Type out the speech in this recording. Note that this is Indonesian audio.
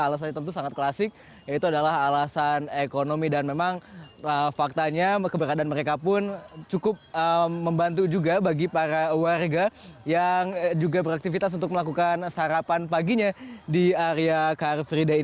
alasannya tentu sangat klasik yaitu adalah alasan ekonomi dan memang faktanya keberadaan mereka pun cukup membantu juga bagi para warga yang juga beraktivitas untuk melakukan sarapan paginya di area car free day